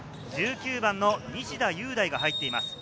１９番の西田優大が入っています。